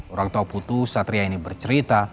orang tua putu satria ini bercerita